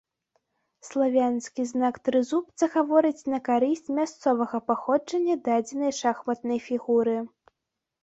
Славянскі знак трызубца гаворыць на карысць мясцовага паходжання дадзенай шахматнай фігуры.